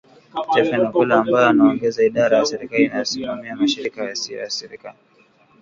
Stephen Okello, ambaye anaongoza idara ya serikali inayosimamia mashirika yasiyo ya kiserikali